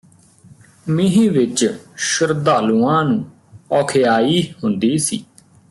ਮੀਂਹ ਵਿੱਚ ਸ਼ਰਧਾਲੂਆਂ ਨੂੰ ਔਖਿਆਈ ਹੁੰਦੀ ਸੀ